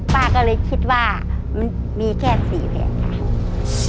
ป้าก็เลยคิดว่ามันมีแค่๔แบบค่ะ